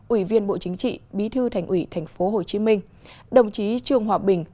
ủy viên bộ chính trị bí thư thành ủy thành phố hồ chí minh đồng chí trường hòa bình